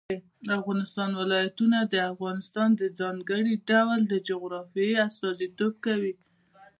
د افغانستان ولايتونه د افغانستان د ځانګړي ډول جغرافیه استازیتوب کوي.